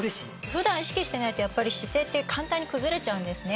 普段意識してないと姿勢って簡単に崩れちゃうんですね。